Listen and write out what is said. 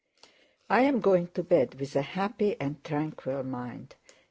I am going to bed with a happy and tranquil mind.